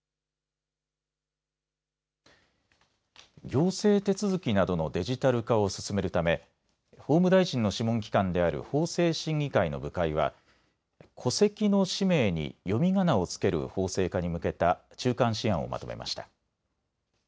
行政手続きなどのデジタル化を進めるため法務大臣の諮問機関である法制審議会の部会は戸籍の氏名に読みがなを付ける法制化に向けた中間試案をまとめました。